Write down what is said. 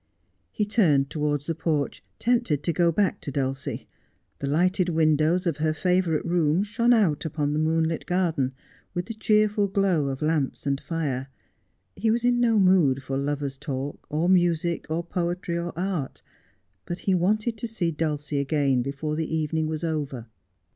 He turned towards the porch, tempted to go back to Dulcie. The lighted windows of her favourite room shone out upon the moonlit garden, with the cheerful glow of lamps and fire. He was in no mood for lover's talk, or music, or poetry, or art ; but he wanted to see Dulcie again before the evening was over.